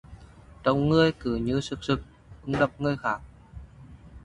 Trông người cứ như sực sực, ưng đập người khác